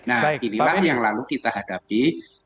nah inilah yang lalu kita hadapi